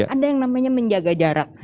ada yang namanya menjaga jarak